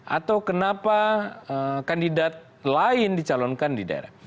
atau kenapa kandidat lain dicalonkan di daerah